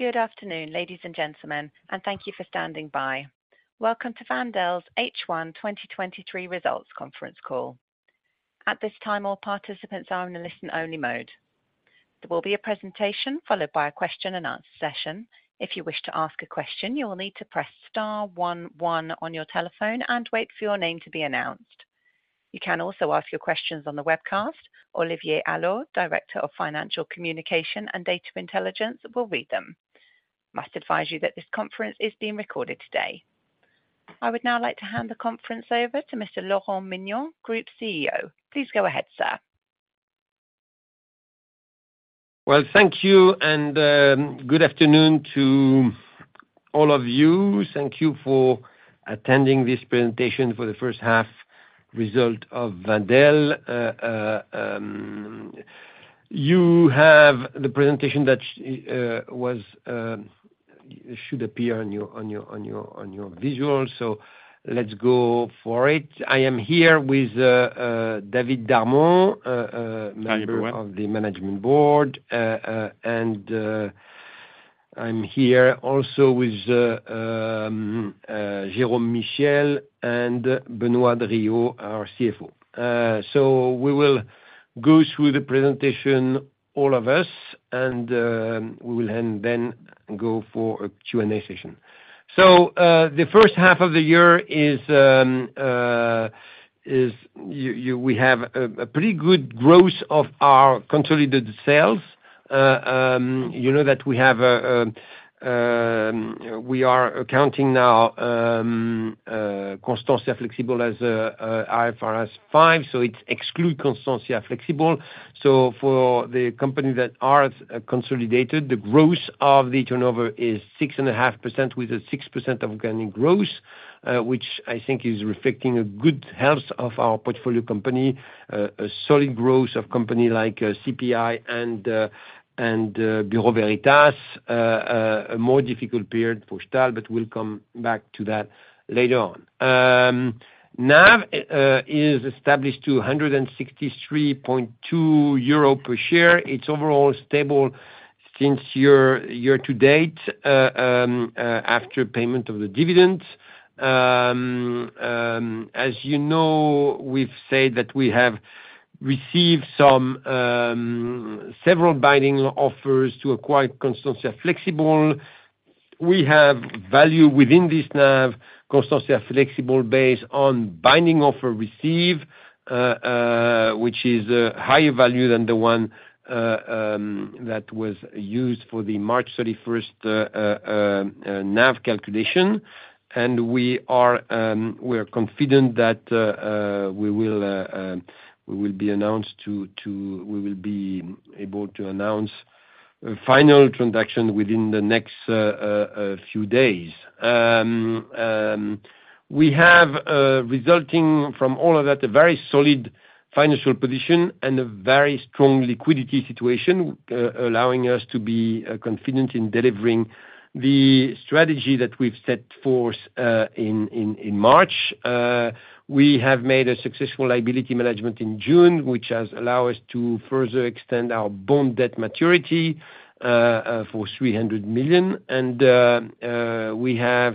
Good afternoon, ladies and gentlemen, and thank you for standing by. Welcome to Wendel's H1 2023 results conference call. At this time, all participants are in a listen-only mode. There will be a presentation, followed by a question and answer session. If you wish to ask a question, you will need to press star one one on your telephone and wait for your name to be announced. You can also ask your questions on the webcast. Olivier Allot, Director of Financial Communication and Data Intelligence, will read them. Must advise you that this conference is being recorded today. I would now like to hand the conference over to Mr. Laurent Mignon, Group CEO. Please go ahead, sir. Well, thank you, and good afternoon to all of you. Thank you for attending this presentation for the first half result of Wendel. You have the presentation that was should appear on your, on your, on your, on your visual. Let's go for it. I am here with David Darmon, Hi, everyone. member of the management Board. I'm here also with Jerome Michiels and Benoît Drillaud, our CFO. We will go through the presentation, all of us, and we will then go for a Q&A session. The first half of the year is we have a pretty good growth of our consolidated sales. You know, that we have a we are accounting now Constantia Flexibles as IFRS 5, so it's exclude Constantia Flexibles. For the company that are consolidated, the growth of the turnover is 6.5%, with a 6% organic growth, which I think is reflecting a good health of our portfolio company. A solid growth of company like CPI and Bureau Veritas. A more difficult period for Stahl, but we'll come back to that later on. NAV is established to 163.2 euro per share. It's overall stable since year to date after payment of the dividend. As you know, we've said that we have received some several binding offers to acquire Constantia Flexibles. We have value within this NAV, Constantia Flexibles, based on binding offer received, which is a higher value than the one that was used for the March 31st NAV calculation. We are, we are confident that, we will, we will be announced to we will be able to announce a final transaction within the next few days. We have, resulting from all of that, a very solid financial position and a very strong liquidity situation, allowing us to be confident in delivering the strategy that we've set forth in, in, in March. We have made a successful liability management in June, which has allow us to further extend our bond debt maturity, for 300 million. We have,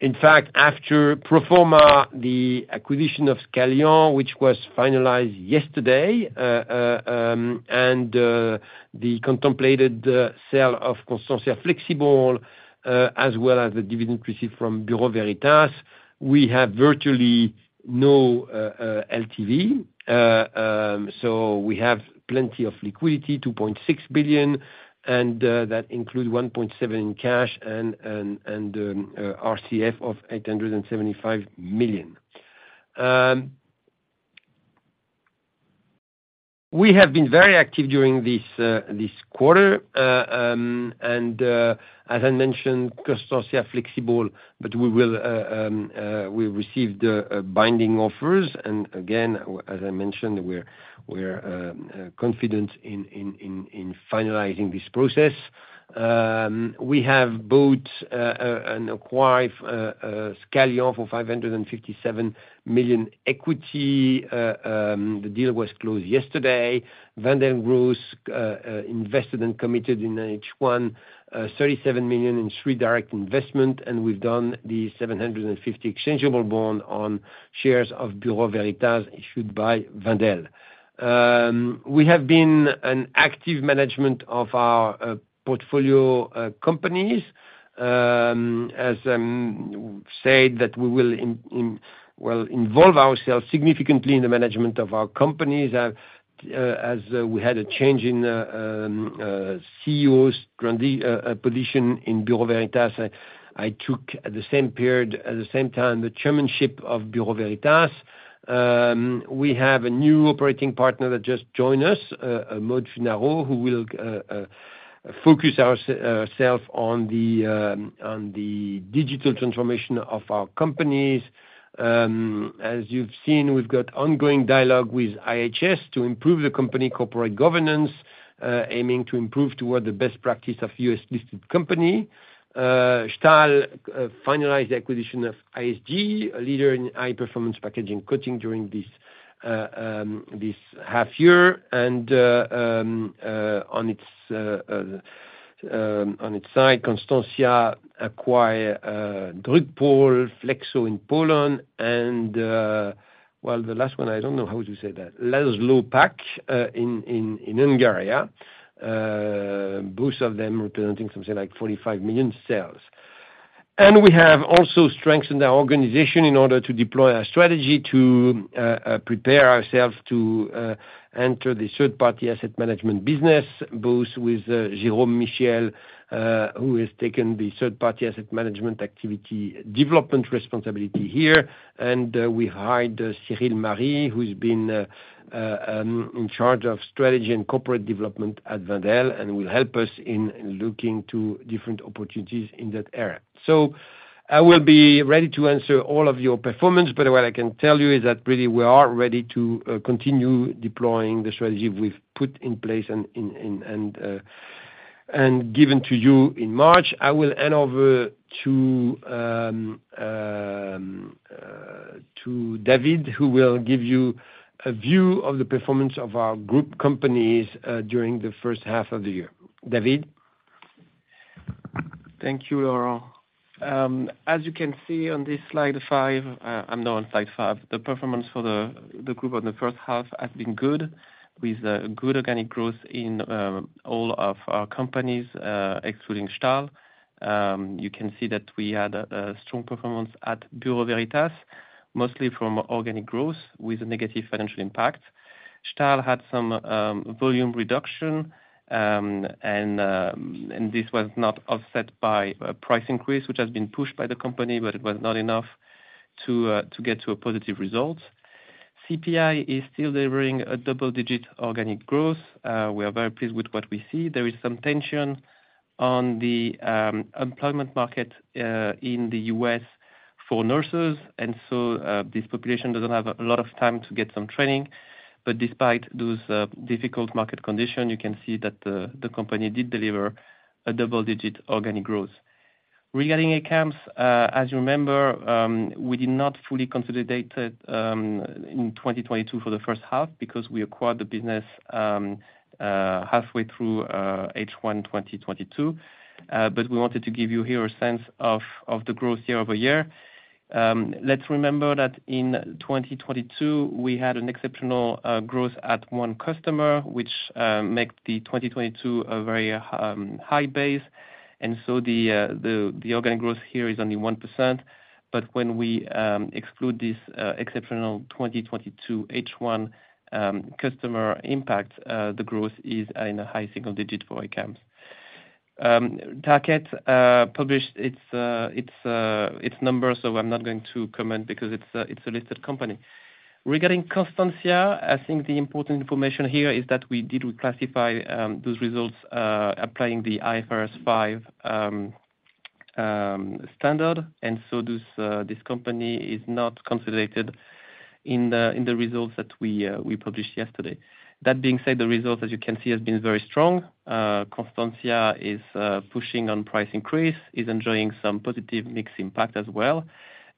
in fact, after pro forma, the acquisition of Scalian, which was finalized yesterday, and the contemplated sale of Constantia Flexibles, as well as the dividend received from Bureau Veritas, we have virtually no LTV. We have plenty of liquidity, $2.6 billion, that includes $1.7 in cash and RCF of $875 million. We have been very active during this quarter. As I mentioned, Constantia Flexibles, we will, we received binding offers, and again, as I mentioned, we're confident in finalizing this process. We have both and acquired Scalian for $557 million equity. The deal was closed yesterday. Wendel Growth invested and committed in each one, $37 million in 3 direct investment. We've done the 750 exchangeable bond on shares of Bureau Veritas issued by Wendel. We have been an active management of our portfolio companies. As said that we will well, involve ourselves significantly in the management of our companies. As we had a change in CEOs position in Bureau Veritas, I took at the same period, at the same time, the chairmanship of Bureau Veritas. We have a new operating partner that just joined us, Maud Funaro, who will focus ourself on the digital transformation of our companies. As you've seen, we've got ongoing dialogue with IHS to improve the company corporate governance, aiming to improve toward the best practice of U.S.-listed company. Stahl finalized the acquisition of ISG, a leader in high-performance packaging coating during this half year. On its side, Constantia acquire Drukpol Flexo in Poland, and well, the last one, I don't know how to say that. Lászlópack in Hungary. Both of them representing something like 45 million sales. We have also strengthened our organization in order to deploy our strategy to prepare ourselves to enter the third-party asset management business, both with Jérôme Michiels, who has taken the third-party asset management activity development responsibility here. We hired Cyril Marie, who's been in charge of Strategy and Corporate Development at Wendel and will help us in looking to different opportunities in that area. I will be ready to answer all of your performance, but what I can tell you is that really we are ready to continue deploying the strategy we've put in place and in, and, and given to you in March. I will hand over to David, who will give you a view of the performance of our group companies during the first half of the year. David? Thank you, Laurent. As you can see on this slide five, I'm now on slide five, the performance for the group on the first half has been good, with good organic growth in all of our companies, excluding Stahl. You can see that we had a strong performance at Bureau Veritas, mostly from organic growth with a negative financial impact. Stahl had some volume reduction, and this was not offset by a price increase, which has been pushed by the company, but it was not enough to get to a positive result. CPI is still delivering a double-digit organic growth. We are very pleased with what we see. There is some tension on the employment market in the U.S. for nurses. This population doesn't have a lot of time to get some training. Despite those difficult market conditions, you can see that the company did deliver a double-digit organic growth. Regarding Acams, as you remember, we did not fully consolidate it in 2022 for the first half because we acquired the business halfway through H1 2022. We wanted to give you here a sense of the growth year-over-year. Let's remember that in 2022, we had an exceptional growth at 1 customer, which make the 2022 a very high base. The organic growth here is only 1%, but when we exclude this exceptional 2022 H1 customer impact, the growth is in a high single digit for ACAMS. Tarkett published its numbers, so I'm not going to comment because it's a listed company. Regarding Constantia, I think the important information here is that we did reclassify those results applying the IFRS 5 standard, and so this company is not consolidated in the results that we published yesterday. That being said, the results, as you can see, has been very strong. Constantia is pushing on price increase, is enjoying some positive mix impact as well.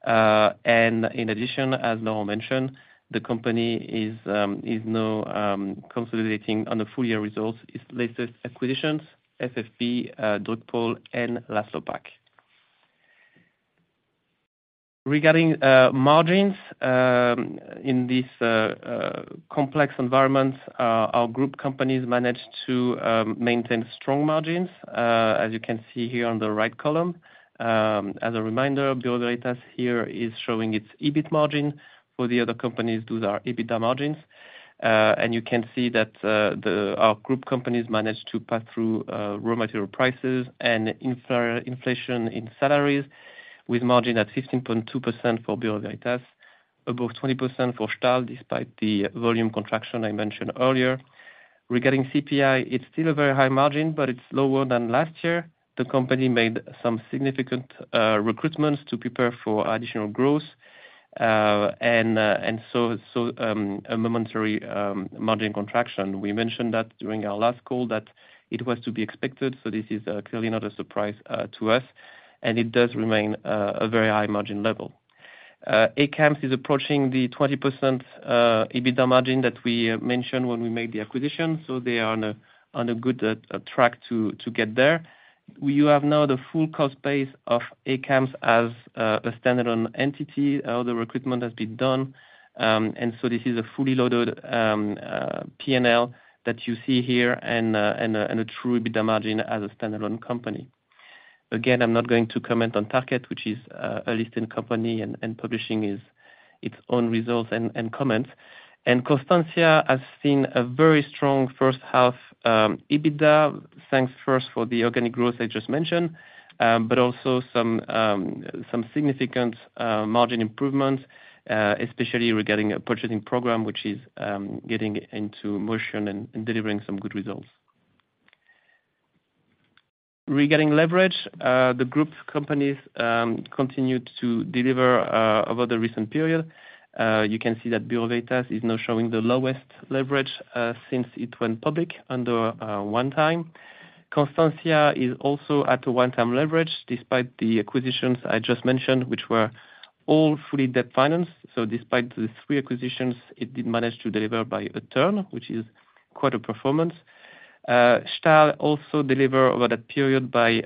In addition, as Laurent mentioned, the company is now consolidating on the full-year results, its latest acquisitions, FFP, Drukpol, and Lászlópack. Regarding margins, in this complex environment, our group companies managed to maintain strong margins, as you can see here on the right column. As a reminder, Bureau Veritas here is showing its EBIT margin. For the other companies, those are EBITDA margins. You can see that our group companies managed to pass through raw material prices and inflation in salaries with margin at 16.2% for Bureau Veritas, above 20% for Stahl, despite the volume contraction I mentioned earlier. Regarding CPI, it's still a very high margin, but it's lower than last year. The company made some significant recruitments to prepare for additional growth, a momentary margin contraction. We mentioned that during our last call that it was to be expected, so this is clearly not a surprise to us, and it does remain a very high margin level. ACAMS is approaching the 20% EBITDA margin that we mentioned when we made the acquisition, so they are on a good track to get there. We have now the full cost base of ACAMS as a standalone entity. All the recruitment has been done. This is a fully loaded PNL that you see here and a true EBITDA margin as a standalone company. Again, I'm not going to comment on Tarkett, which is a listed company and publishing its own results and comments. Constantia has seen a very strong first half EBITDA. Thanks first for the organic growth I just mentioned, but also some significant margin improvements, especially regarding a purchasing program, which is getting into motion and delivering some good results. Regarding leverage, the group's companies continued to deliver over the recent period. You can see that Bureau Veritas is now showing the lowest leverage since it went public under 1 time. Constantia is also at a 1-time leverage despite the acquisitions I just mentioned, which were all fully debt financed. Despite the 3 acquisitions, it did manage to deliver by a term, which is quite a performance. Stahl also deliver over the period by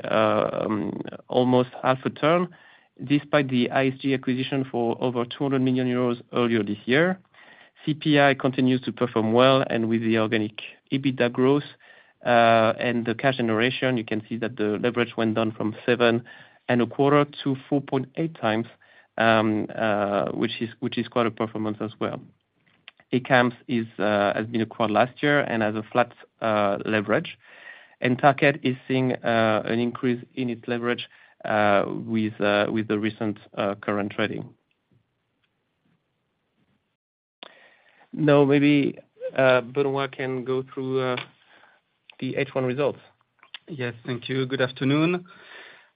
almost half a term, despite the ISG acquisition for over 200 million euros earlier this year. CPI continues to perform well, and with the organic EBITDA growth and the cash generation, you can see that the leverage went down from 7.25 to 4.8 times. Which is quite a performance as well. ACAMS is has been acquired last year and has a flat leverage. Tarkett is seeing an increase in its leverage with the recent current trading. Now, maybe Benoît can go through the H1 results. Yes. Thank you. Good afternoon.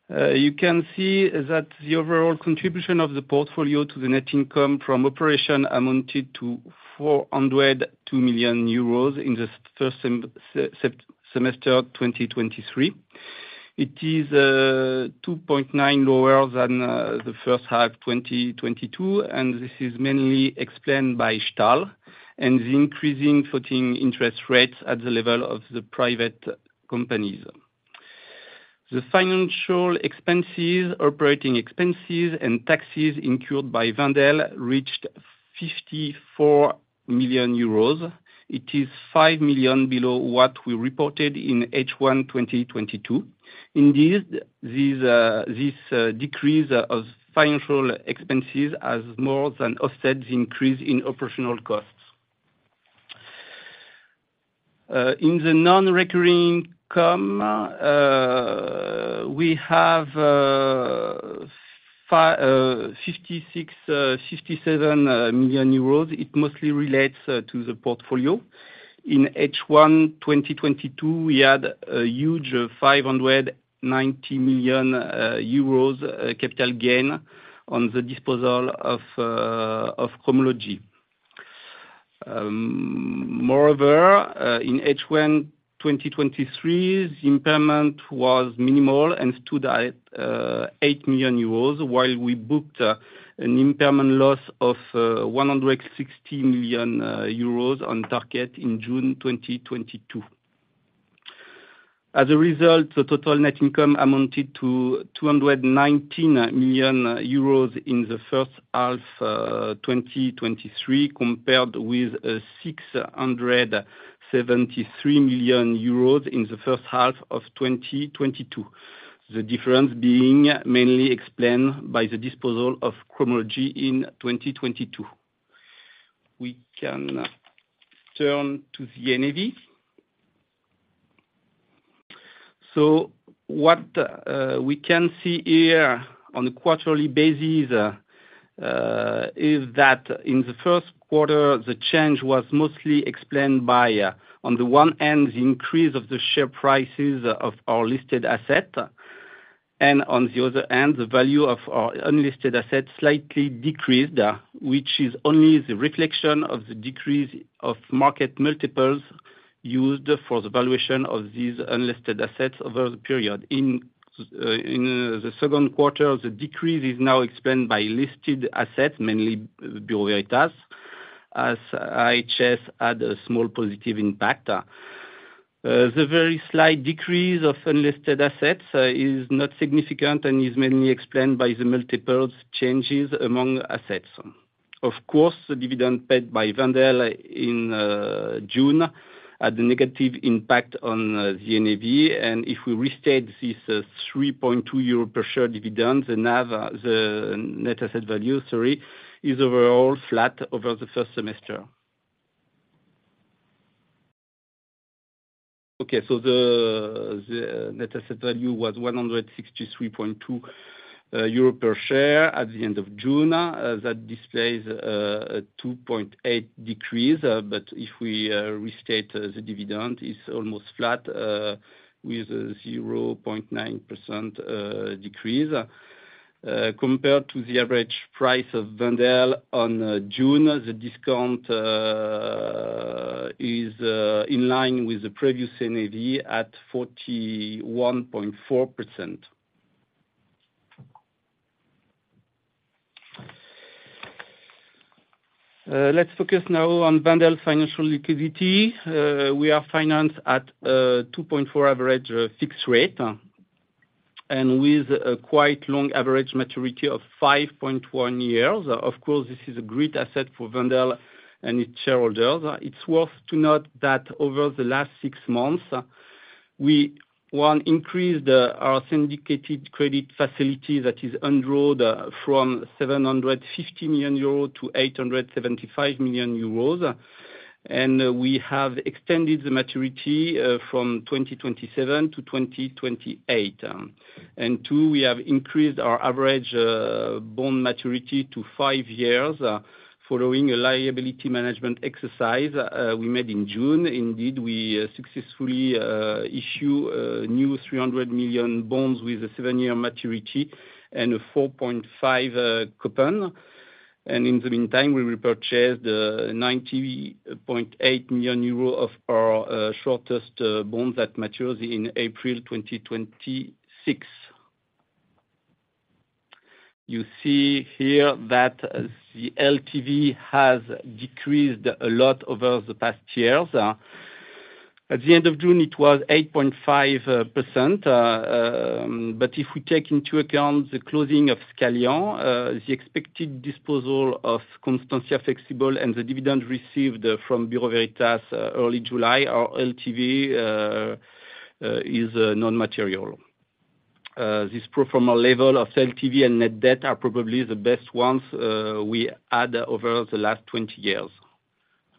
You can see that the overall contribution of the portfolio to the net income from operation amounted to 402 million euros in the first semester, 2023. It is 2.9 lower than the first half, 2022. This is mainly explained by Stahl and the increasing floating interest rates at the level of the private companies. The financial expenses, operating expenses, and taxes incurred by Wendel reached 54 million euros. It is 5 million below what we reported in H1 2022. Indeed, this decrease of financial expenses has more than offset the increase in operational costs. In the non-recurring income, we have 56, 57 million euros. It mostly relates to the portfolio. In H1, 2022, we had a huge 590 million euros capital gain on the disposal of Cromology. Moreover, in H1, 2023, the impairment was minimal and stood at 8 million euros, while we booked an impairment loss of 160 million euros on Tarkett in June, 2022. As a result, the total net income amounted to 219 million euros in the first half, 2023, compared with 673 million euros in the first half of 2022. The difference being mainly explained by the disposal of Cromology in 2022. We can turn to the NAV. What we can see here on a quarterly basis is that in the first quarter, the change was mostly explained by on the one hand, the increase of the share prices of our listed asset. On the other hand, the value of our unlisted assets slightly decreased, which is only the reflection of the decrease of market multiples used for the valuation of these unlisted assets over the period. In the second quarter, the decrease is now explained by listed assets, mainly Bureau Veritas, as IHS had a small positive impact. The very slight decrease of unlisted assets is not significant and is mainly explained by the multiples changes among assets. Of course, the dividend paid by Wendel in June had a negative impact on the NAV. If we restate this 3.2 euro per share dividend, the NAV, the net asset value, sorry, is overall flat over the first semester. The net asset value was 163.2 euro per share at the end of June. That displays a 2.8 decrease. If we restate the dividend, it's almost flat, with a 0.9% decrease. Compared to the average price of Wendel on June, the discount is in line with the previous NAV at 41.4%. Let's focus now on Wendel financial liquidity. We are financed at a 2.4 average fixed rate, and with a quite long average maturity of 5.1 years. Of course, this is a great asset for Wendel and its shareholders. It's worth to note that over the last 6 months, we, one, increased our syndicated credit facility that is undrawn from 750 million euros to 875 million euros. We have extended the maturity from 2027 to 2028. 2, we have increased our average bond maturity to 5 years following a liability management exercise we made in June. Indeed, we successfully issue new 300 million bonds with a 7-year maturity and a 4.5% coupon. In the meantime, we will purchase the 90.8 million euro of our shortest bond that matures in April 2026. You see here that the LTV has decreased a lot over the past years. At the end of June, it was 8.5%. If we take into account the closing of Scalian, the expected disposal of Constantia Flexibles and the dividend received from Bureau Veritas, early July, our LTV is non-material. This pro forma level of LTV and net debt are probably the best ones we had over the last 20 years.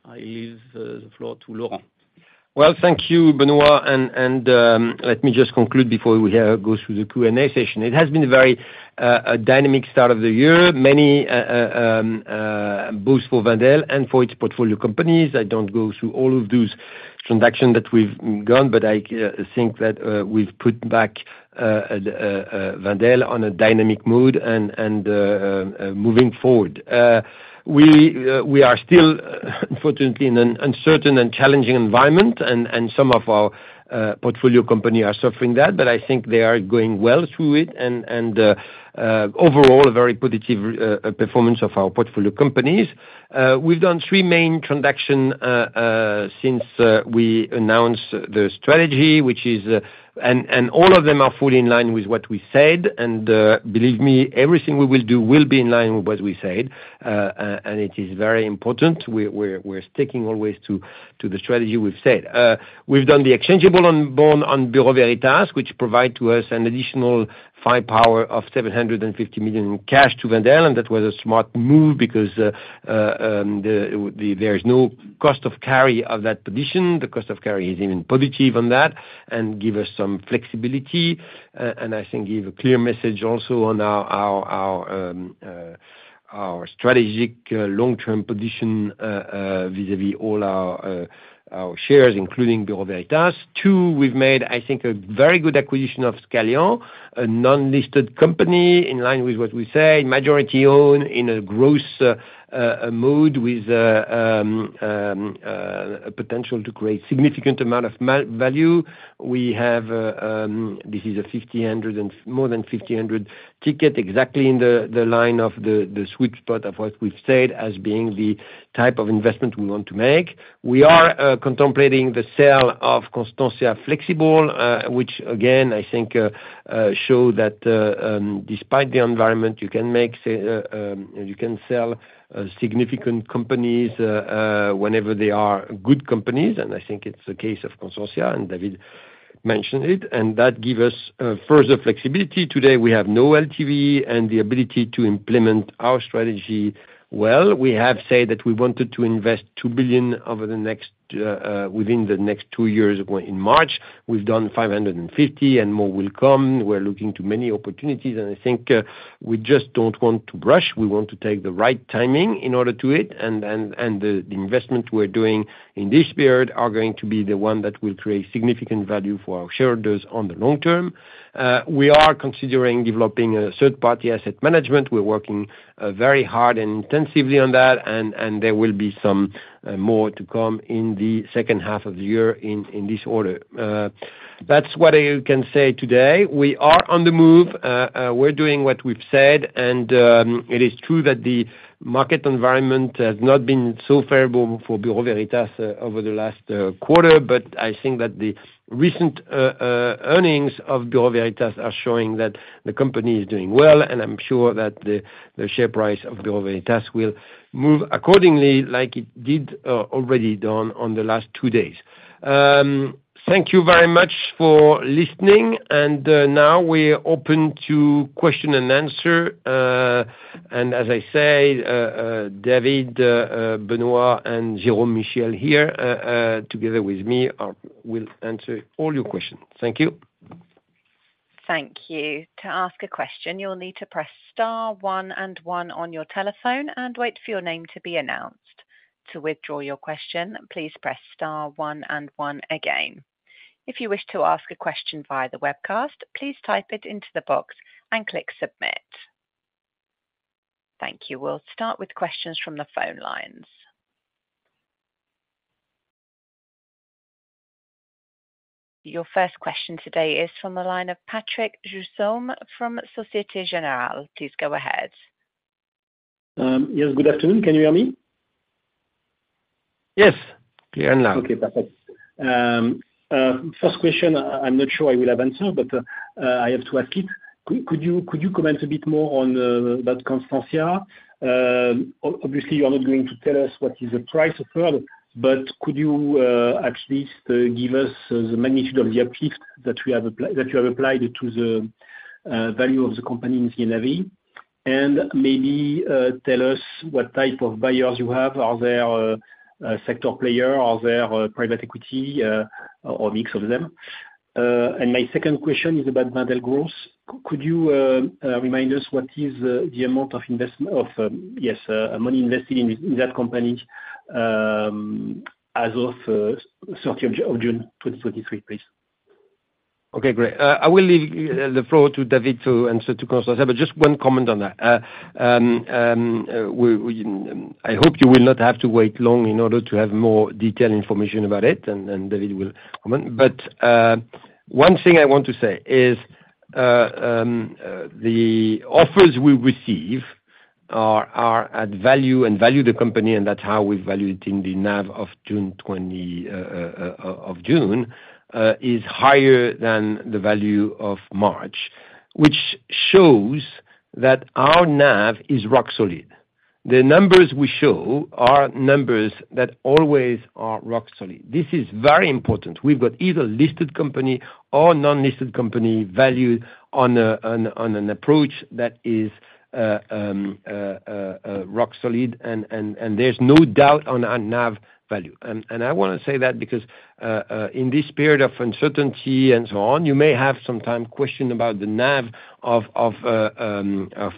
I give the floor to Laurent. Well, thank you, Benoît. Let me just conclude before we go through the Q&A session. It has been a very dynamic start of the year. Many both for Wendel and for its portfolio companies. I don't go through all of those transactions that we've gone, but I think that we've put back Wendel on a dynamic mode and moving forward. We are still, unfortunately, in an uncertain and challenging environment, and some of our portfolio company are suffering that, but I think they are going well through it, and overall, a very positive performance of our portfolio companies. We've done 3 main transaction since we announced the strategy, which is, and all of them are fully in line with what we said. Believe me, everything we will do will be in line with what we said, and it is very important. We're sticking always to the strategy we've said. We've done the exchangeable on bond, on Bureau Veritas, which provide to us an additional 5 power of 750 million in cash to Wendel, and that was a smart move because there is no cost of carry of that position. The cost of carry is even positive on that, and give us some flexibility, and I think give a clear message also on our, our, our, our strategic, long-term position, vis-a-vis all our, our shares, including Bureau Veritas. Two, we've made, I think, a very good acquisition of Scalian, a non-listed company, in line with what we said, majority-owned in a gross mode, with a potential to create significant amount of value. We have, this is a 1,500. More than 1,500 ticket, exactly in the line of the sweet spot of what we've said as being the type of investment we want to make. We are contemplating the sale of Constantia Flexibles, which again, I think show that despite the environment, you can make, you can sell significant companies whenever they are good companies, and I think it's the case of Constantia, and David mentioned it. That give us further flexibility. Today, we have no LTV and the ability to implement our strategy well. We have said that we wanted to invest 2 billion over the next within the next two years, when in March. We've done 550, and more will come. We're looking to many opportunities, and I think we just don't want to rush. We want to take the right timing in order to it, and, and, and the, the investment we're doing in this period are going to be the one that will create significant value for our shareholders on the long term. We are considering developing a third-party asset management. We're working very hard and intensively on that, and, and there will be some more to come in the second half of the year in, in this order. That's what I can say today. We are on the move. We're doing what we've said, and it is true that the market environment has not been so favorable for Bureau Veritas over the last quarter, but I think that the recent earnings of Bureau Veritas are showing that the company is doing well, and I'm sure that the share price of Bureau Veritas will move accordingly, like it did already done on the last 2 days. Thank you very much for listening, and now we're open to question and answer. As I said, David, Benoît, and Jerome Michel here, together with me, will answer all your questions. Thank you. Thank you. To ask a question, you'll need to press star one and one on your telephone and wait for your name to be announced. To withdraw your question, please press star one and one again. If you wish to ask a question via the webcast, please type it into the box and click Submit. Thank you. We'll start with questions from the phone lines. Your first question today is from the line of Patrick Jousseaume from Societe Generale. Please go ahead. Yes, good afternoon. Can you hear me? Yes, clear now. Okay, perfect. First question, I'm not sure I will have answer, but I have to ask it. Could you comment a bit more on about Constantia? Obviously, you are not going to tell us what is the price of Constantia, but could you at least give us the magnitude of the uplift that we have that you have applied to the value of the company in the NAV? Maybe tell us what type of buyers you have. Are there a sector player? Are there private equity, or a mix of them? My second question is about Wendel Growth. Could you remind us what is the amount of investment of yes, money invested in that company, as of 30 of June 2023, please? Okay, great. I will leave the floor to David to answer to Constantia, just one comment on that. We, we, I hope you will not have to wait long in order to have more detailed information about it, David will comment. One thing I want to say is, the offers we receive are, are at value, and value the company, and that's how we value it in the NAV of June, is higher than the value of March, which shows that our NAV is rock solid. The numbers we show are numbers that always are rock solid. This is very important. We've got either listed company or non-listed company valued on a, on, on an approach that is a rock solid, and, and, and there's no doubt on our NAV value. I wanna say that because in this period of uncertainty and so on, you may have some time question about the NAV of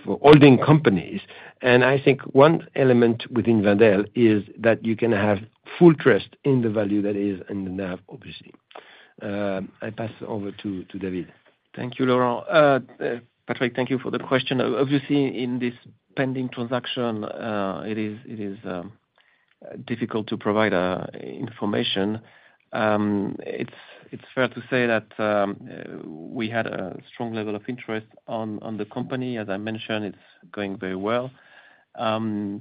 holding companies. I think one element within Wendel is that you can have full trust in the value that is in the NAV, obviously. I pass over to, to David. Thank you, Laurent. Patrick, thank you for the question. Obviously, in this pending transaction, it is, it is difficult to provide information. It's, it's fair to say that we had a strong level of interest on, on the company, as I mentioned, it's going very well. To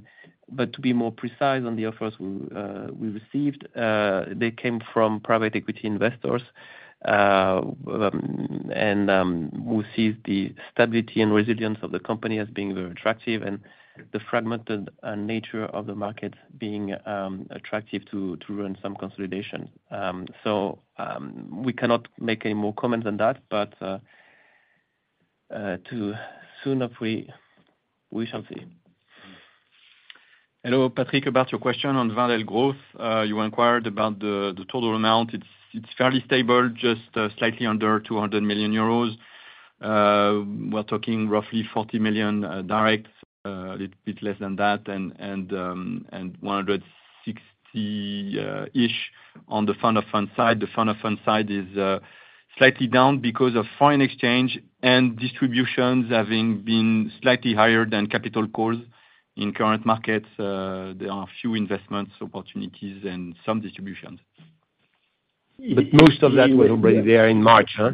be more precise on the offers we received, they came from private equity investors, and who sees the stability and resilience of the company as being very attractive, and the fragmented nature of the market being attractive to, to run some consolidation. We cannot make any more comment than that but too soon if we, we shall see. Hello, Patrick, about your question on Wendel Growth, you inquired about the, the total amount. It's, it's fairly stable, just slightly under 200 million euros. We're talking roughly 40 million direct, a little bit less than that, and, and, and 160 ish on the fund of fund side. The fund of fund side is slightly down because of foreign exchange and distributions having been slightly higher than capital calls in current markets. There are few investments, opportunities, and some distributions. most of that was already there in March, huh?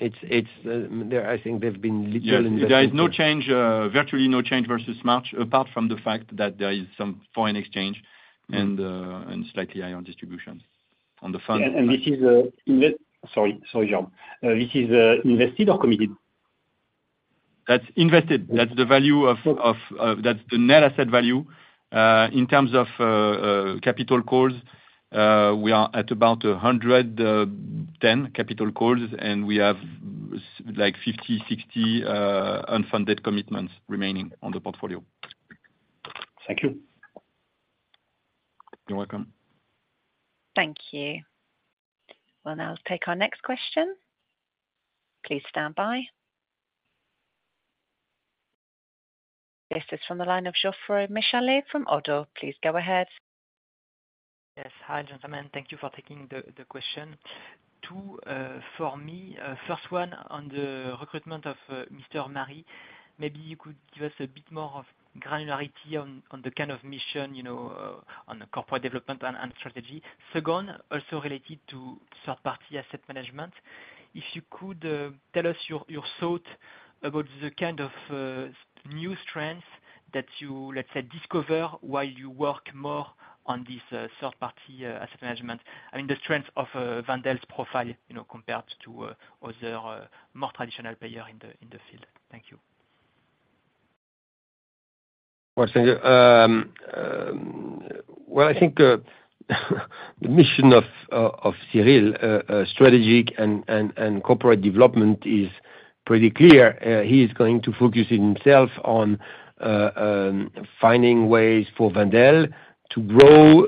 It's, it's, there, I think there've been little investment- There is no change, virtually no change versus March, apart from the fact that there is some foreign exchange and and slightly higher on distributions on the fund. This is, in the... Sorry, sorry, Jean. This is, invested or committed? That's invested. That's the value of, of, of, that's the net asset value. In terms of capital calls, we are at about 110 capital calls, and we have like 50 to 60 unfunded commitments remaining on the portfolio. Thank you. You're welcome. Thank you. We'll now take our next question. Please stand by. This is from the line of Geoffroy Michalet from Oddo. Please go ahead. Yes. Hi, gentlemen. Thank you for taking the, the question. Two for me, first one on the recruitment of Mr. Marie. Maybe you could give us a bit more of granularity on, on the kind of mission, you know, on the corporate development and, and strategy. Second, also related to third-party asset management. If you could tell us your, your thought about the kind of new strengths that you, let's say, discover while you work more on this third-party asset management. I mean, the strength of Wendel's profile, you know, compared to other more traditional player in the, in the field. Thank you. Well, thank you. Well, I think the mission of Cyril, strategic and corporate development is pretty clear. He is going to focus himself on finding ways for Wendel to grow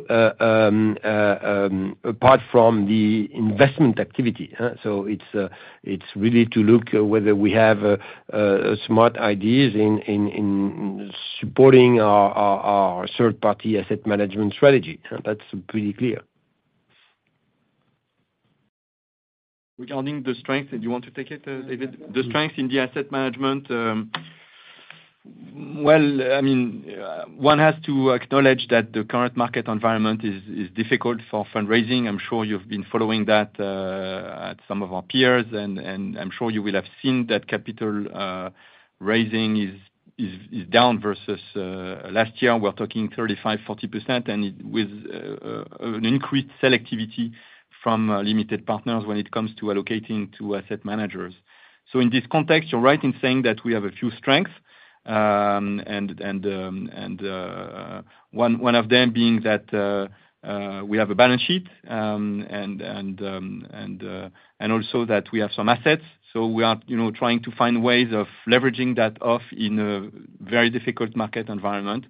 apart from the investment activity, huh? It's really to look whether we have smart ideas in supporting our third party asset management strategy. That's pretty clear. Regarding the strength, do you want to take it, David? The strength in the asset management, well, I mean, one has to acknowledge that the current market environment is difficult for fundraising. I'm sure you've been following that at some of our peers, and I'm sure you will have seen that capital raising is down versus last year. We're talking 35% to 40%, with an increased selectivity from limited partners when it comes to allocating to asset managers. In this context, you're right in saying that we have a few strengths, and one of them being that we have a balance sheet, and also that we have some assets. We are, you know, trying to find ways of leveraging that off in a very difficult market environment.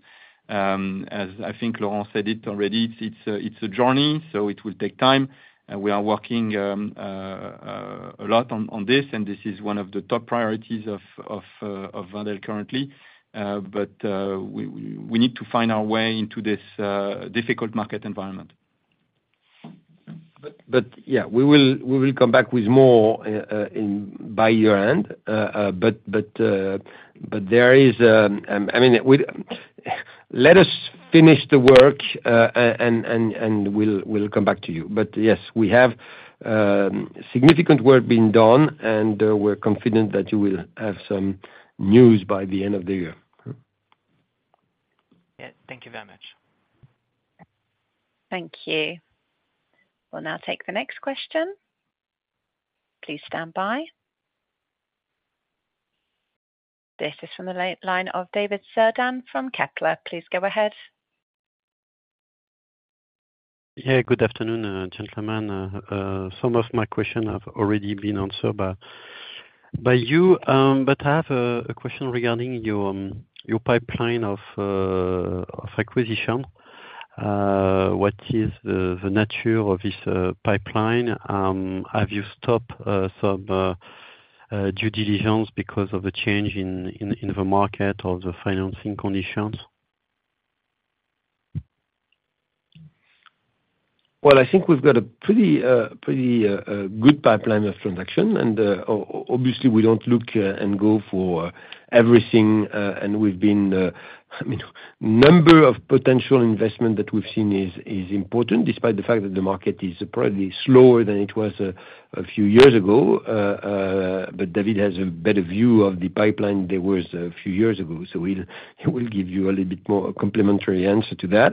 As I think Laurent said it already, it's, it's a, it's a journey, so it will take time, and we are working a lot on, on this, and this is one of the top priorities of, of Wendel currently. But, we need to find our way into this difficult market environment. ...but yeah, we will, we will come back with more in by year-end. But, but there is, I mean, let us finish the work, and, and, and we'll, we'll come back to you. Yes, we have significant work being done, and we're confident that you will have some news by the end of the year. Yeah. Thank you very much. Thank you. We'll now take the next question. Please stand by. This is from the line of David Cerdan from Kepler. Please go ahead. Yeah, good afternoon, gentlemen. Some of my question have already been answered by, by you, but I have a question regarding your pipeline of acquisition. What is the nature of this pipeline? Have you stopped some due diligence because of the change in the market or the financing conditions? Well, I think we've got a pretty, pretty, good pipeline of transaction, and obviously, we don't look, and go for everything. We've been, I mean, number of potential investment that we've seen is, is important, despite the fact that the market is probably slower than it was a few years ago. David has a better view of the pipeline there was a few years ago, so he'll, he will give you a little bit more complimentary answer to that.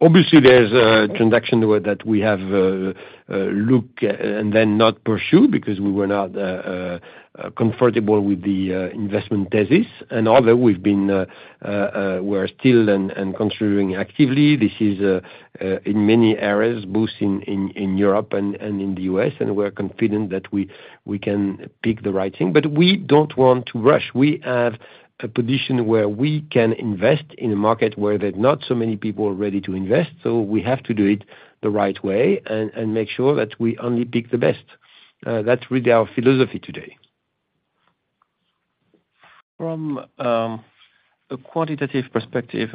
Obviously, there's a transaction where that we have, look and then not pursue because we were not comfortable with the investment thesis. We're still and, and contributing actively. This is in many areas, both in Europe and in the US, and we're confident that we can pick the right thing. We don't want to rush. We have a position where we can invest in a market where there's not so many people are ready to invest, so we have to do it the right way and make sure that we only pick the best. That's really our philosophy today. From a quantitative perspective,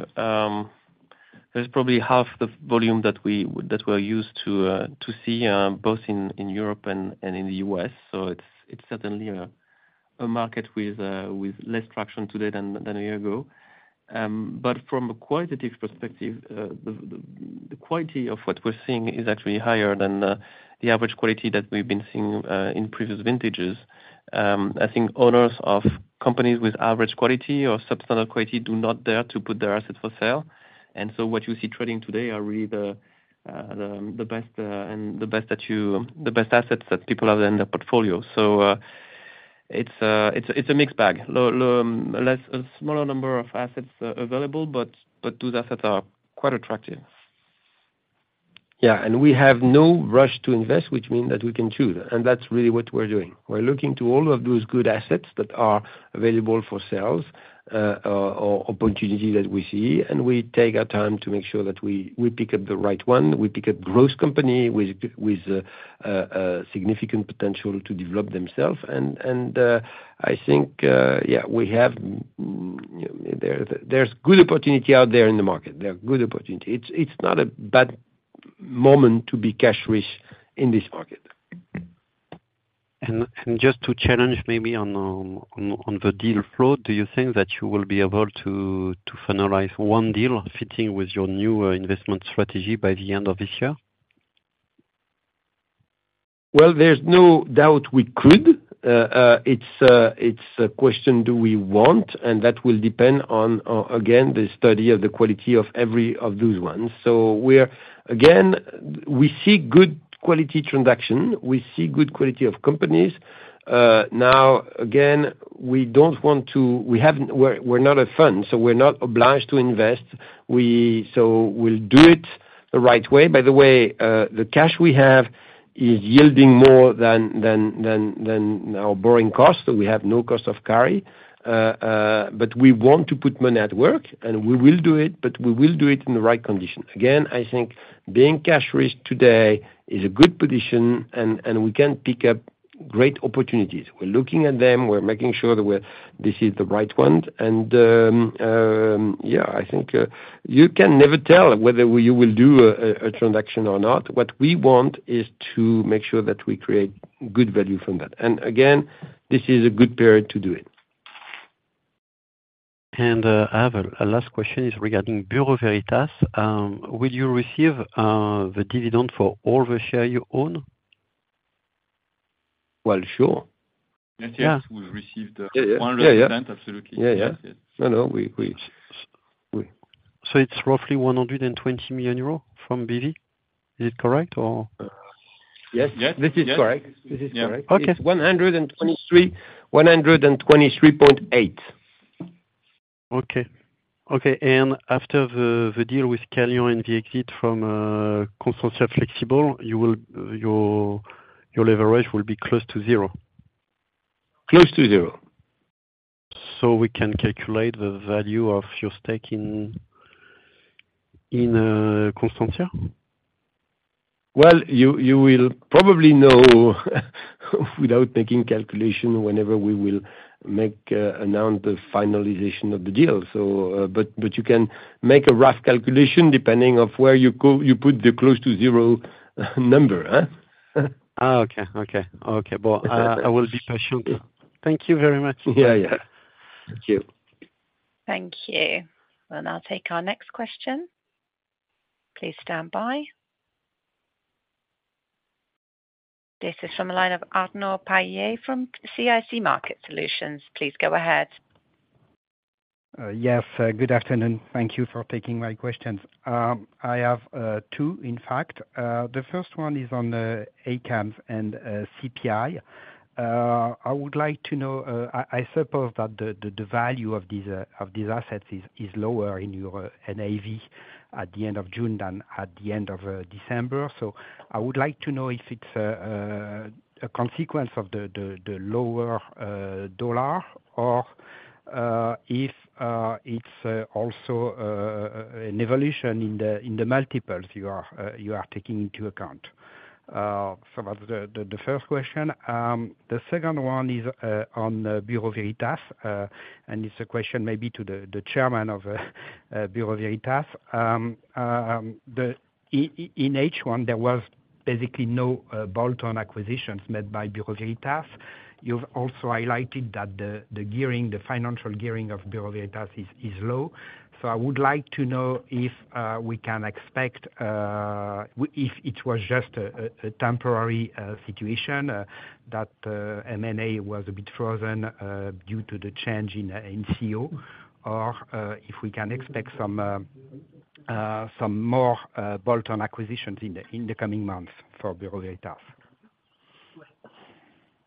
there's probably half the volume that we're used to to see, both in Europe and in the U.S., so it's certainly a market with less traction today than a year ago. From a qualitative perspective, the, the, the quality of what we're seeing is actually higher than the average quality that we've been seeing in previous vintages. I think owners of companies with average quality or substandard quality do not dare to put their assets for sale. What you see trading today are really the, the, the best, and the best that you, the best assets that people have in their portfolio. It's, it's, it's a mixed bag. a less, a smaller number of assets, available, but, but those assets are quite attractive. Yeah, we have no rush to invest, which mean that we can choose, and that's really what we're doing. We're looking to all of those good assets that are available for sales, or, or opportunity that we see, and we take our time to make sure that we, we pick up the right one. We pick a growth company with with a significant potential to develop themselves, and, and, I think, yeah, we have, there, there's good opportunity out there in the market. There are good opportunity. It's, it's not a bad moment to be cash-rich in this market. just to challenge maybe on, on, on the deal flow, do you think that you will be able to finalize one deal fitting with your new investment strategy by the end of this year? Well, there's no doubt we could. It's a question do we want, and that will depend on, again, the study of the quality of every of those ones. Again, we see good quality transaction. We see good quality of companies. Now, again, we don't want to, we're not a fund, so we're not obliged to invest. We'll do it the right way. By the way, the cash we have is yielding more than, than, than, than our borrowing costs, so we have no cost of carry. We want to put money at work, and we will do it, but we will do it in the right condition. Again, I think being cash-rich today is a good position, and, and we can pick up great opportunities. We're looking at them. We're making sure that we're, this is the right one, and, yeah, I think, you can never tell whether we you will do a, a, a transaction or not. What we want is to make sure that we create good value from that. Again, this is a good period to do it. I have a, a last question is regarding Bureau Veritas. Will you receive the dividend for all the share you own? Well, sure. Yes, yes. Yeah. We've received Yeah, yeah.... 100%, absolutely. Yeah, yeah. Yes, yes. No, no, we, we. It's roughly 120 million euros from BV? Is it correct, or? Yes. Yes. This is correct. Yes. This is correct. Okay. One hundred and twenty-three, one hundred and twenty-three point eight. Okay. Okay, after the deal with Scalian and the exit from Constantia Flexibles, you will, your leverage will be close to 0? Close to zero. We can calculate the value of your stake in, in, Constantia? Well, you, you will probably know... without making calculation whenever we will make announce the finalization of the deal. You can make a rough calculation depending on where you go, you put the close to zero number, huh? Ah, okay. Okay. Okay. Well, I will be patient. Thank you very much. Yeah, yeah. Thank you. Thank you. We'll now take our next question. Please stand by. This is from the line of Arnaud Palliez from CIC Market Solutions. Please go ahead. Yes, good afternoon. Thank you for taking my questions. I have two, in fact. The first one is on the ACAMS and CPI. I would like to know, I suppose that the value of these assets is lower in your NAV at the end of June than at the end of December. I would like to know if it's a consequence of the lower dollar, or if it's also an evolution in the multiples you are taking into account. Some of the first question. The second one is on Bureau Veritas. It's a question maybe to the chairman of Bureau Veritas. In H1, there was basically no bolt-on acquisitions made by Bureau Veritas. You've also highlighted that the gearing, the financial gearing of Bureau Veritas is low. I would like to know if we can expect if it was just a temporary situation that M&A was a bit frozen due to the change in CEO, or if we can expect some more bolt-on acquisitions in the coming months for Bureau Veritas.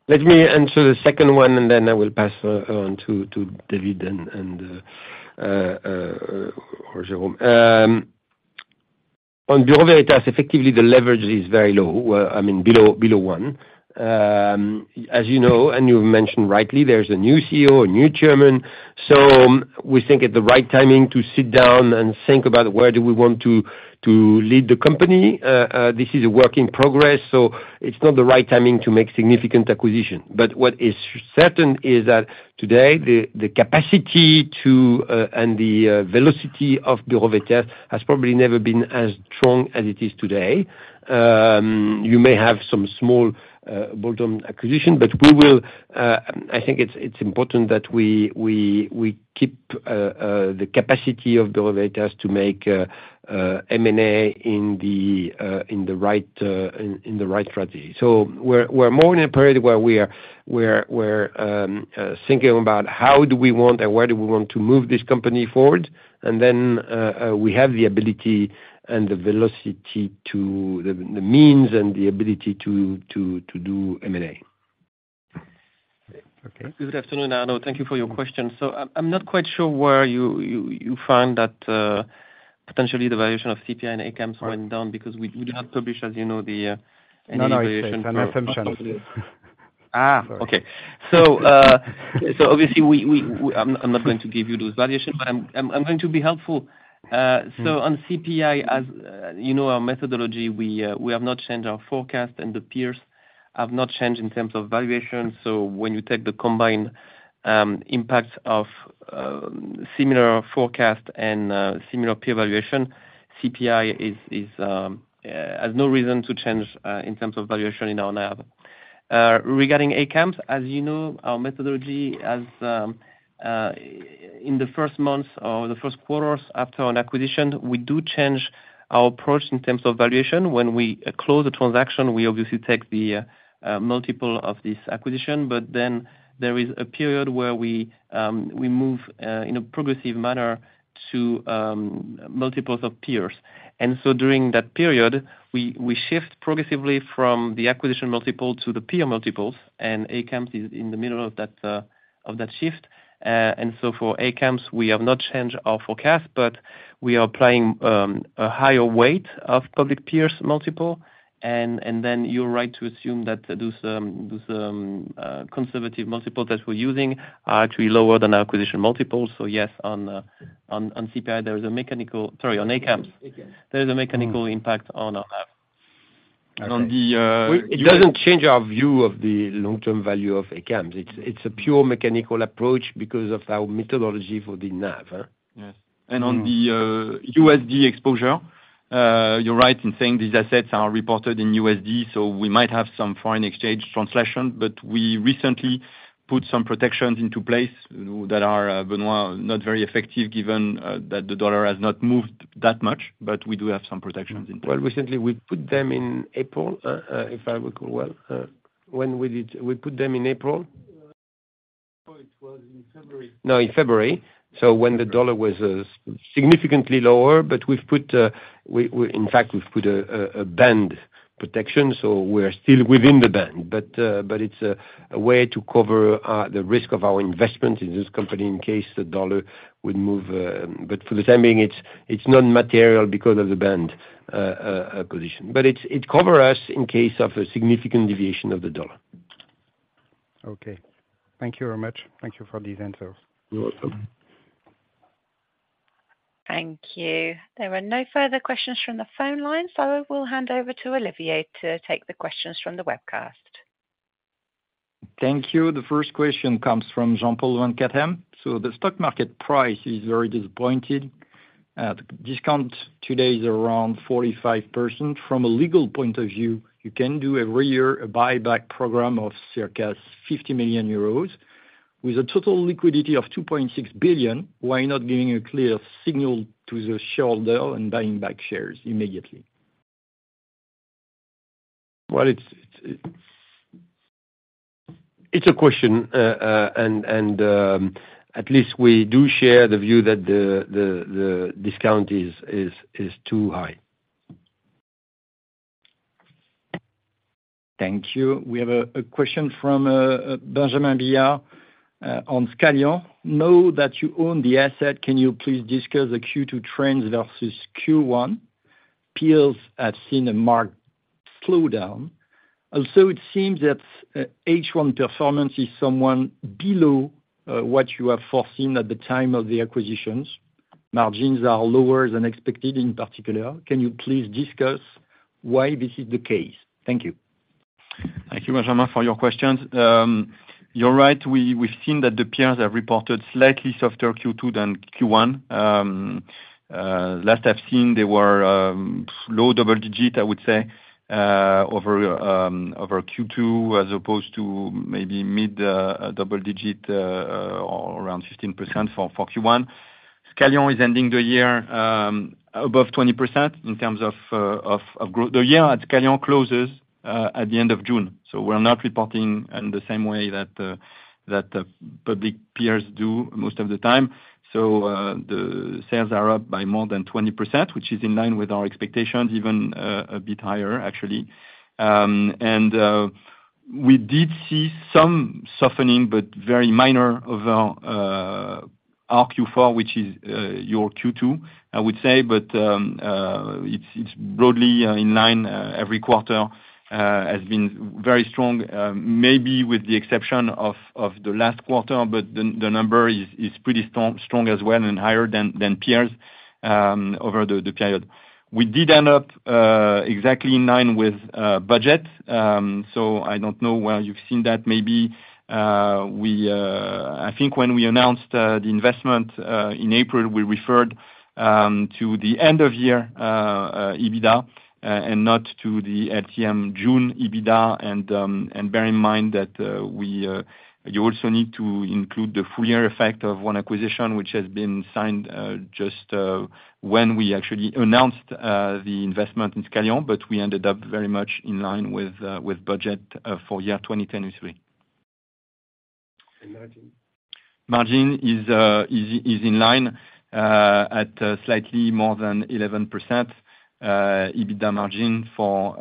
Let me answer the second one, and then I will pass on to David and Jerome. On Bureau Veritas, effectively, the leverage is very low, I mean, below, below one. As you know, and you mentioned rightly, there's a new CEO, a new chairman, so we think it's the right timing to sit down and think about where do we want to lead the company. This is a work in progress, so it's not the right timing to make significant acquisition. What is certain is that today, the capacity to and the velocity of Bureau Veritas has probably never been as strong as it is today. You may have some small bolt-on acquisition, but we will... I think it's, it's important that we, we, we keep the capacity of Bureau Veritas to make M&A in the in the right in in the right strategy. We're, we're more in a period where we are, we're, we're thinking about how do we want and where do we want to move this company forward? Then, we have the ability and the velocity to the, the means and the ability to, to, to do M&A. Okay. Good afternoon, Arno. Thank you for your question. I, I'm not quite sure where you, you, you find that, potentially the valuation of CPI and ACAMS went down because we, we did not publish, as you know, any valuation. No, no, I understand. Okay. obviously, I'm not going to give you those valuations, but I'm going to be helpful. Mm.... on CPI, as, you know, our methodology, we, we have not changed our forecast, and the peers have not changed in terms of valuation. When you take the combined impact of similar forecast and similar peer valuation, CPI is, is, has no reason to change, in terms of valuation in our NAV. ACAMS, as you know, our methodology as, in the first months or the first quarters after an acquisition, we do change our approach in terms of valuation. When we close the transaction, we obviously take the multiple of this acquisition, but then there is a period where we, we move, in a progressive manner to multiples of peers. During that period, we, we shift progressively from the acquisition multiple to the peer multiples, and ACAMS is in the middle of that of that shift. For ACAMS, we have not changed our forecast, but we are applying a higher weight of public peers multiple. Then you're right to assume that those, those conservative multiples that we're using are actually lower than our acquisition multiples. Yes, on, on CPI, there is a mechanical... Sorry, on ACAMS. ACAMS. There is a mechanical impact on our NAV. And on the, uh- It doesn't change our view of the long-term value of ACAMS. It's, it's a pure mechanical approach because of our methodology for the NAV, huh? Yes. On the USD exposure, you're right in saying these assets are reported in USD, so we might have some foreign exchange translation, but we recently put some protections into place that are, Benoît, not very effective given that the dollar has not moved that much, but we do have some protections in place. Well, recently, we put them in April, if I recall well. When we did, we put them in April? No, it was in February. No, in February. When the dollar was significantly lower, but in fact, we've put a band protection, so we are still within the band. It's a way to cover the risk of our investment in this company in case the dollar would move. For the time being, it's non-material because of the band position. It's, it cover us in case of a significant deviation of the dollar. Okay. Thank you very much. Thank you for the answers. You're welcome. ... Thank you. There are no further questions from the phone line, I will hand over to Olivier to take the questions from the webcast. Thank you. The first question comes from Jean Paul Van Cathem. The stock market price is very disappointed. The discount today is around 45%. From a legal point of view, you can do every year a buyback program of circa 50 million euros. With a total liquidity of 2.6 billion, why not giving a clear signal to the shareholder and buying back shares immediately? Well, it's, it's a question, and, and, at least we do share the view that the, the, the discount is, is, is too high. Thank you. We have a question from Benjamin Biya on Scalian. Know that you own the asset, can you please discuss the Q2 trends versus Q1? Peers have seen a marked slowdown. Also, it seems that H1 performance is somewhat below what you have foreseen at the time of the acquisitions. Margins are lower than expected in particular. Can you please discuss why this is the case? Thank you. Thank you, Benjamin, for your questions. You're right, we, we've seen that the peers have reported slightly softer Q2 than Q1. Last I've seen, they were low double digit, I would say, over Q2, as opposed to maybe mid double digit, or around 15% for Q1. Scalian is ending the year above 20% in terms of growth. The year at Scalian closes at the end of June, we're not reporting in the same way that the public peers do most of the time. The sales are up by more than 20%, which is in line with our expectations, even a bit higher, actually. We did see some softening, but very minor, of our Q4, which is your Q2, I would say. It's broadly in line. Every quarter has been very strong, maybe with the exception of the last quarter, but the number is pretty strong, strong as well, and higher than peers over the period. We did end up exactly in line with budget. I don't know where you've seen that. Maybe we, I think when we announced the investment in April, we referred to the end of year EBITDA, and not to the LTM June EBITDA. Bear in mind that we, you also need to include the full year effect of one acquisition, which has been signed just when we actually announced the investment in Scalian. We ended up very much in line with budget for year 2010 usually. Margin? Margin is, is, is in line, at, slightly more than 11%, EBITDA margin for,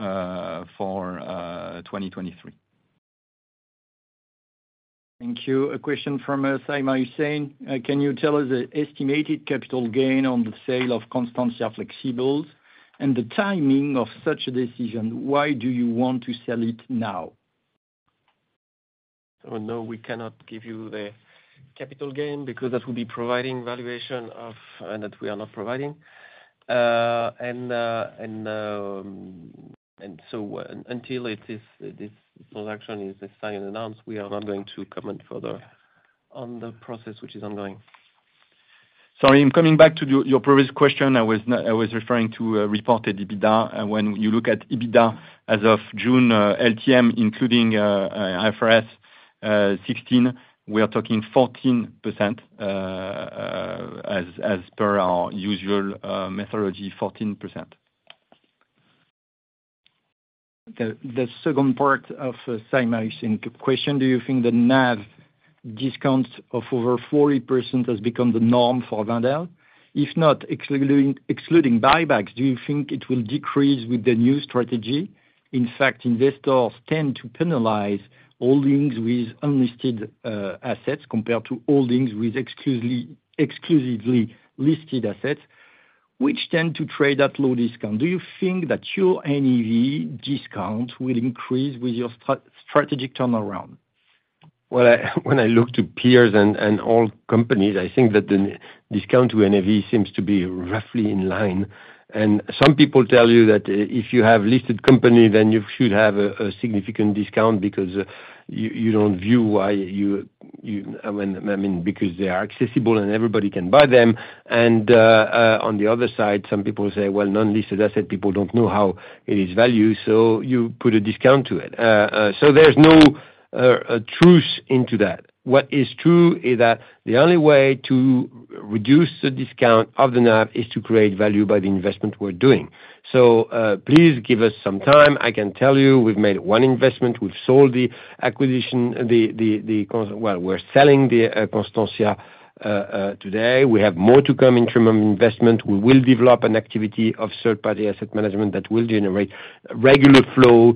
for, 2023. Thank you. A question from Saima Hussein. Can you tell us the estimated capital gain on the sale of Constantia Flexibles and the timing of such a decision? Why do you want to sell it now? Well, no, we cannot give you the capital gain, because that will be providing valuation of, that we are not providing. And, and so until it is, this transaction is signed and announced, we are not going to comment further on the process, which is ongoing. Sorry, I'm coming back to your, your previous question. I was referring to reported EBITDA. When you look at EBITDA as of June, LTM, including IFRS 16, we are talking 14% as, as per our usual methodology, 14%. The second part of Saima Hussein question: Do you think the NAV discount of over 40% has become the norm for Wendel? If not, excluding buybacks, do you think it will decrease with the new strategy? In fact, investors tend to penalize holdings with unlisted assets compared to holdings with exclusively listed assets, which tend to trade at low discount. Do you think that your NAV discount will increase with your strategic turnaround? Well, I, when I look to peers and, and all companies, I think that the discount to NAV seems to be roughly in line. Some people tell you that if you have listed company, then you should have a significant discount, because you don't view why you. I mean, I mean, because they are accessible, and everybody can buy them. On the other side, some people say, "Well, non-listed asset, people don't know how it is valued," so you put a discount to it. There's no truth into that. What is true is that the only way to reduce the discount of the NAV is to create value by the investment we're doing. Please give us some time. I can tell you, we've made one investment. We've sold the acquisition, we're selling the Constantia today. We have more to come in terms of investment. We will develop an activity of third-party asset management that will generate regular flow,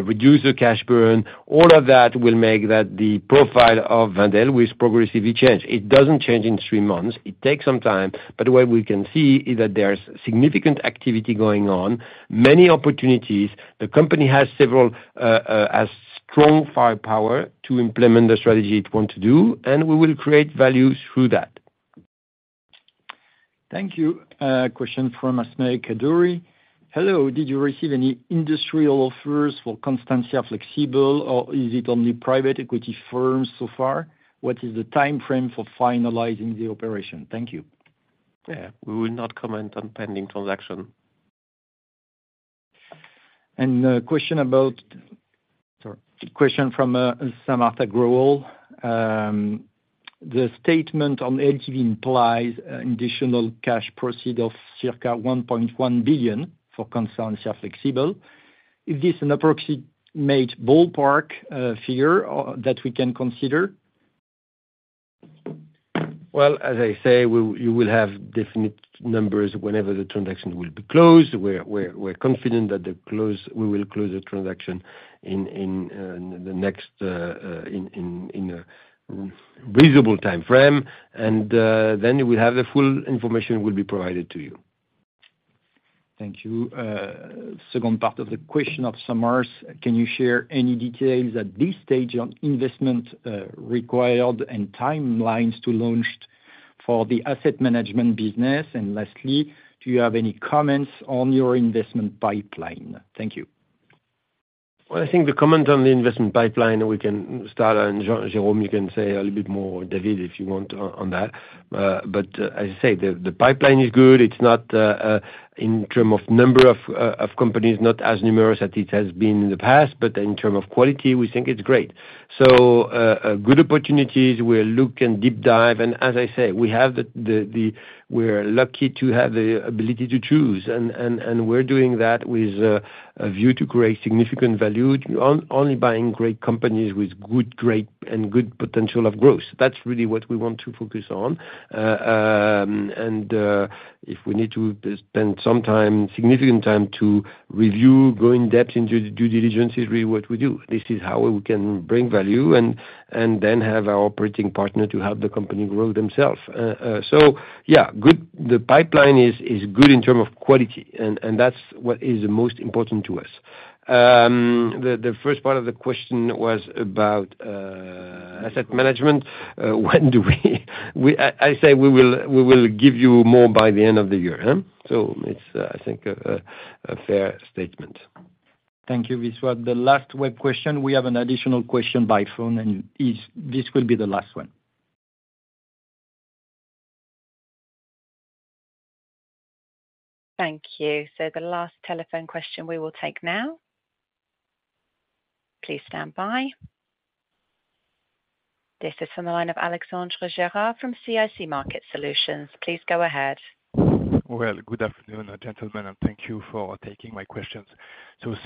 reduce the cash burn. All of that will make that the profile of Wendel will progressively change. It doesn't change in three months. It takes some time, but what we can see is that there's significant activity going on, many opportunities. The company has several strong firepower to implement the strategy it want to do, and we will create value through that. Thank you. Question from Asmai Kadori. Hello, did you receive any industrial offers for Constantia Flexibles, or is it only private equity firms so far? What is the timeframe for finalizing the operation? Thank you. Yeah, we will not comment on pending transaction. A question about, sorry, question from Samartha Growal. The statement on LTV implies additional cash proceed of circa 1.1 billion for Constantia Flexibles. Is this an approximate ballpark figure that we can consider? Well, as I say, you will have definite numbers whenever the transaction will be closed. We're, we're, we're confident that we will close the transaction in, in, the next, in, in, in a reasonable timeframe, and, then we'll have the full information will be provided to you. Thank you. Second part of the question of Samarth, can you share any details at this stage on investment, required and timelines to launched for the asset management business? Lastly, do you have any comments on your investment pipeline? Thank you. Well, I think the comment on the investment pipeline, we can start, Jerome, you can say a little bit more, David, if you want on, on that. As I say, the, the pipeline is good. It's not in term of number of companies, not as numerous as it has been in the past, in term of quality, we think it's great. Good opportunities, we'll look and deep dive, as I say, we have the ability to choose, and, and, and we're doing that with a view to create significant value, only buying great companies with good, great, and good potential of growth. That's really what we want to focus on. If we need to spend some time, significant time to review, go in depth into due diligence, is really what we do. This is how we can bring value and, and then have our operating partner to help the company grow themselves. So yeah, the pipeline is, is good in term of quality, and, and that's what is the most important to us. The first part of the question was about asset management. When do we... We, I say we will, we will give you more by the end of the year, huh? It's, I think, a fair statement. Thank you, Viswa. The last web question, we have an additional question by phone, and is, this will be the last one. Thank you. The last telephone question we will take now. Please stand by. This is from the line of Alexandre Gérard from CIC Market Solutions. Please go ahead. Well, good afternoon, gentlemen, and thank you for taking my questions.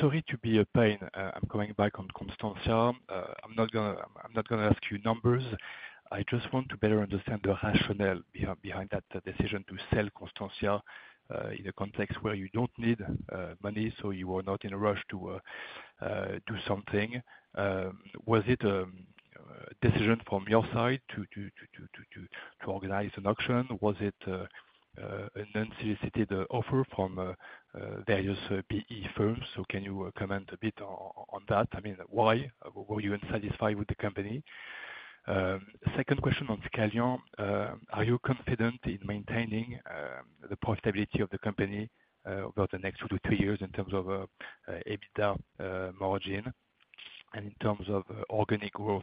Sorry to be a pain, I'm going back on Constantia. I'm not gonna, I'm not gonna ask you numbers. I just want to better understand the rationale behind that decision to sell Constantia, in a context where you don't need money, so you are not in a rush to do something. Was it a decision from your side to organize an auction? Was it an unsolicited offer from various PE firms? Can you comment a bit on that? I mean, why were you unsatisfied with the company? Second question on Scalian. in maintaining the profitability of the company over the next 2 to 3 years in terms of EBITDA margin and in terms of organic growth?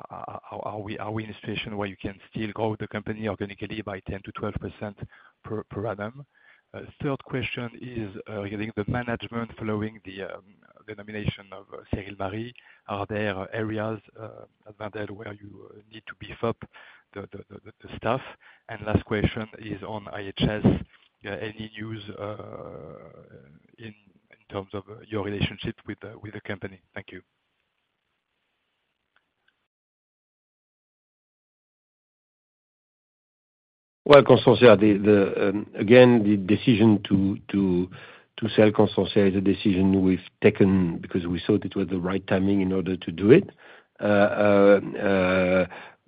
Are we in a situation where you can still grow the company organically by 10% to 12% per annum? Third question is regarding the management, following the nomination of Cyril Marie, are there areas where you need to beef up the staff? Last question is on IHS. Any news in terms of your relationship with the company? Thank you Well, Constantia, the, the, again, the decision to, to, to sell Constantia is a decision we've taken because we thought it was the right timing in order to do it.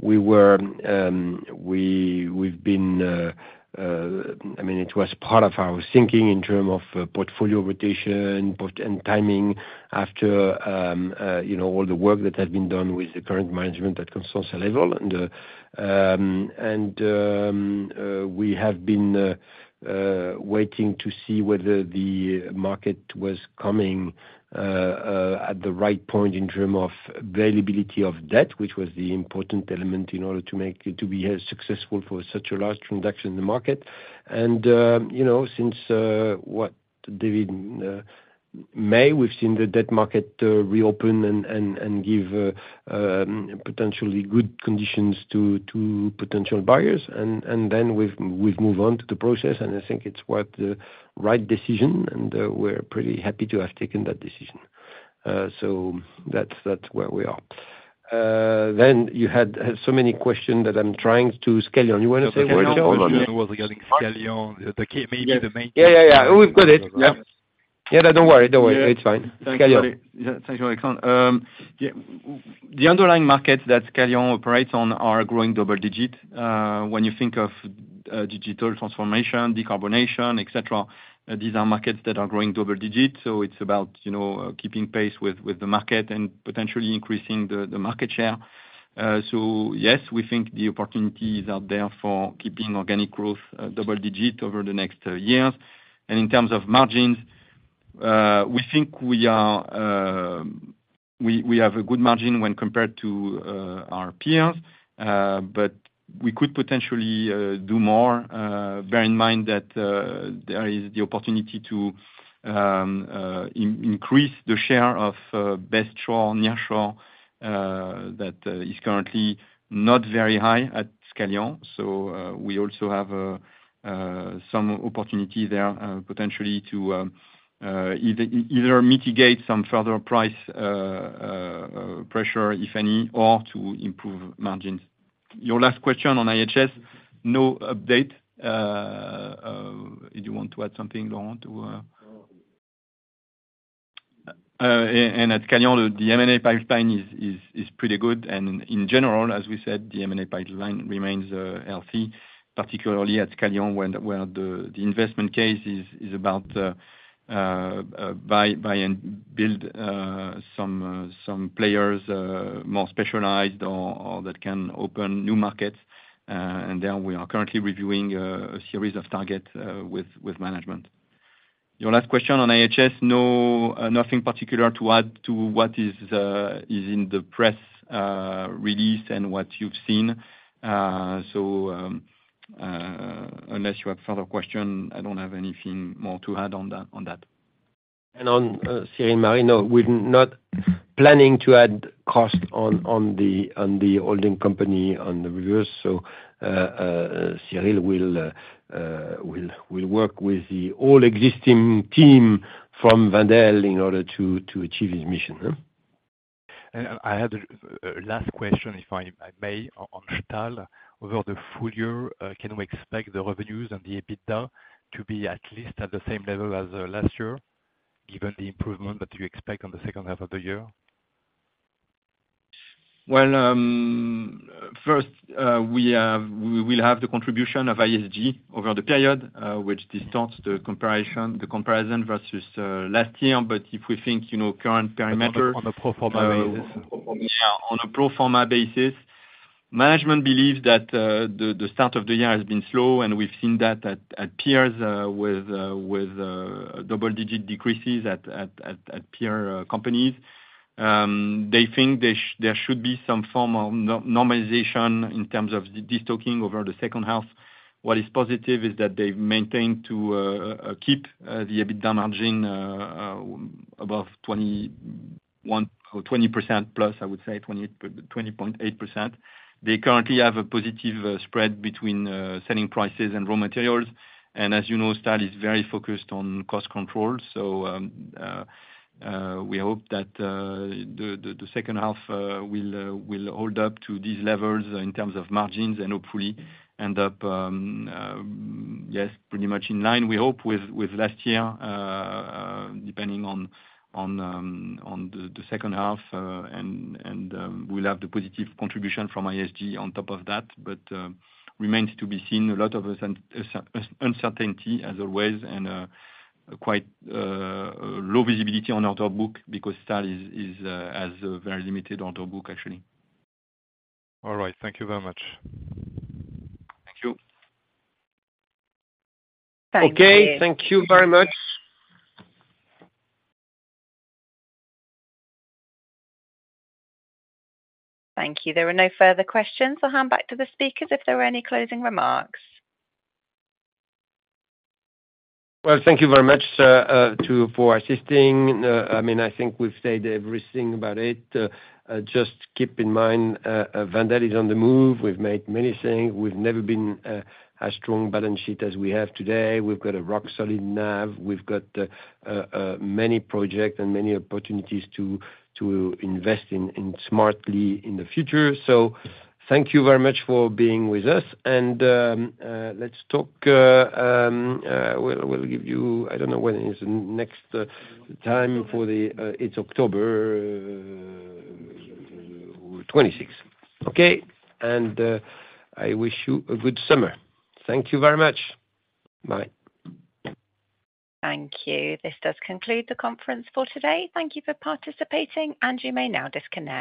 We were, we, we've been, I mean, it was part of our thinking in term of portfolio rotation, port, and timing after, you know, all the work that had been done with the current management at Constantia level. We have been waiting to see whether the market was coming at the right point in term of availability of debt, which was the important element in order to make it, to be successful for such a large transaction in the market. You know, since what, David, May, we've seen the debt market reopen and, and, and give potentially good conditions to, to potential buyers. Then we've, we've moved on to the process, and I think it's worth the right decision, and we're pretty happy to have taken that decision. That's, that's where we are. You had, had so many questions that I'm trying to Scaleion. You wanna say something, Jerome? Was regarding Scaleion. Yeah, yeah, yeah. We've got it. Yeah. ... Yeah, don't worry, don't worry, it's fine. Scalian. Yeah, thank you, Eric. Yeah, the underlying markets that Scalian operates on are growing double digit. When you think of digital transformation, decarbonation, et cetera, these are markets that are growing double digit, so it's about, you know, keeping pace with the market and potentially increasing the market share. Yes, we think the opportunities are there for keeping organic growth double digit over the next years. In terms of margins, we think we are, we have a good margin when compared to our peers. We could potentially do more. Bear in mind that there is the opportunity to increase the share of best shore, nearshore, that is currently not very high at Scalian. We also have some opportunity there, potentially to either, either mitigate some further price pressure, if any, or to improve margins. Your last question on IHS, no update. Do you want to add something, Laurent, or? At Scalian, the M&A pipeline is, is, is pretty good, and in general, as we said, the M&A pipeline remains healthy, particularly at Scalian, where the, where the, the investment case is, is about buy, buy and build some players more specialized or, or that can open new markets. Then we are currently reviewing a series of targets with management. Your last question on IHS, no, nothing particular to add to what is in the press release and what you've seen. Unless you have further question, I don't have anything more to add on that, on that. On Cyril Marino, we're not planning to add cost on the holding company, on the reverse. Cyril will work with the all existing team from Wendel in order to achieve his mission, huh? I, I had a, a last question, if I, I may, on, on Stahl. Over the full year, can we expect the revenues and the EBITDA to be at least at the same level as last year, given the improvement that you expect on the second half of the year? Well, first, we will have the contribution of ISG over the period, which distorts the comparison, the comparison versus last year. If we think, you know, current parameters... On a pro forma basis. Yeah, on a pro forma basis, management believes that the start of the year has been slow, and we've seen that at, at peers, with, with, double-digit decreases at, at, at, at peer companies. They think there should be some form of normalization in terms of destocking over the second half. What is positive is that they've maintained to keep the EBITDA margin above 21% or 20%+, I would say 20.8%. They currently have a positive spread between selling prices and raw materials, and as you know, Stahl is very focused on cost control. We hope that the second half will hold up to these levels in terms of margins, and hopefully end up, yes, pretty much in line, we hope with last year, depending on the second half, and we'll have the positive contribution from ISG on top of that. Remains to be seen. A lot of uncertainty as always, and quite low visibility on our top book, because Stahl is has a very limited auto book, actually. All right. Thank you very much. Thank you. Thank you. Okay, thank you very much. Thank you. There are no further questions. I'll hand back to the speakers if there are any closing remarks. Well, thank you very much for assisting. I mean, I think we've said everything about it. Just keep in mind, Wendel is on the move. We've made many things. We've never been as strong balance sheet as we have today. We've got a rock-solid NAV. We've got many projects and many opportunities to invest in smartly in the future. Thank you very much for being with us, and let's talk. We'll, we'll give you, I don't know, when is next time for the, it's October 26th. Okay? I wish you a good summer. Thank you very much. Bye. Thank you. This does conclude the conference for today. Thank you for participating. You may now disconnect.